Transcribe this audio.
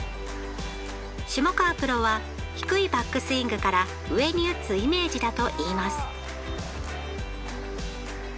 下川プロは低いバックスイングから上に打つイメージだといいます。